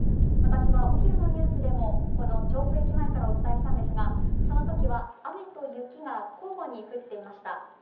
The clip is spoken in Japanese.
私はお昼のニュースでも、この調布駅前からお伝えしたんですが、そのときは雨と雪が交互に降っていました。